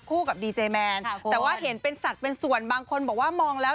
กับดีเจแมนแต่ว่าเห็นเป็นสัตว์เป็นส่วนบางคนบอกว่ามองแล้ว